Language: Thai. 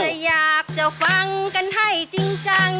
และอยากจะฟังกันให้จริงจัง